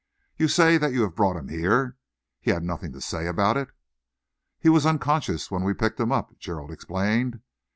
You say that you have brought him here. Had he nothing to say about it?" "He was unconscious when we picked him up," Gerald explained.